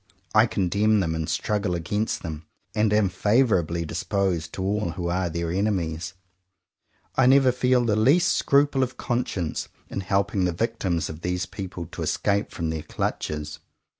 I condemn them and struggle against them; and am favourably disposed to all who are their enemies. I never feel the least scruple of conscience in helping the victims of these people to escape from their clutches.